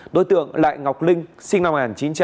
đối tượng lại ngọc linh sinh năm một nghìn chín trăm tám mươi